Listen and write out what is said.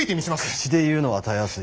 口で言うのはたやすい。